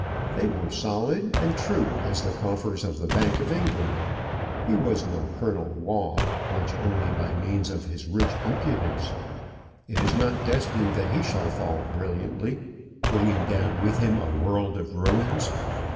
They were solid, and true as the coffers of the Bank of England. He was no Colonel Waugh, rich only by means of his rich impudence. It is not destined that he shall fall brilliantly, bringing down with him a world of ruins.